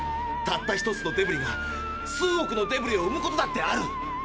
たった一つのデブリが数億のデブリを生むことだってある。